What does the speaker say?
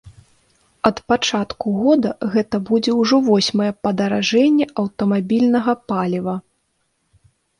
Ад пачатку года гэта будзе ўжо восьмае падаражэнне аўтамабільнага паліва.